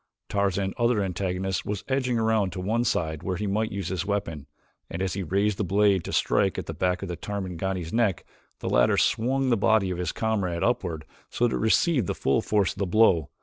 Tarzan's other antagonist was edging around to one side where he might use his weapon, and as he raised the blade to strike at the back of the Tarmangani's neck, the latter swung the body of his comrade upward so that it received the full force of the blow.